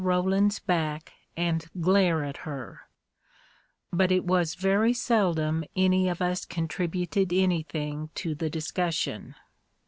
Roland's back and glare at her; but it was very seldom any of us con tributed anything to the discussion.